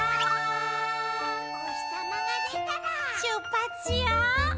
おひさまがでたらしゅっぱつしよう！